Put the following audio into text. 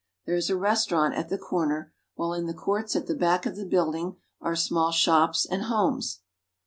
There is a restaurant at the corner, while in the courts at the back of the building are small shops and homes.